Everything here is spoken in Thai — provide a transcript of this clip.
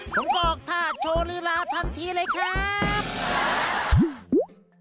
ผมกรอกท่าโชว์ลีลาทันทีเลยครับ